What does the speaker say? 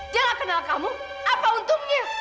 dia gak kenal kamu apa untungnya